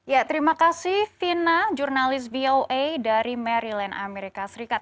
ya terima kasih fina jurnalis voa dari maryland amerika serikat